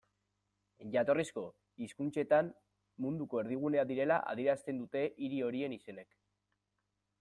Jatorrizko hizkuntzetan, munduko erdigunea direla adierazten dute hiri horien izenek.